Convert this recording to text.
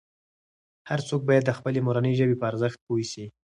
هر څوک باید د خپلې مورنۍ ژبې په ارزښت پوه سي.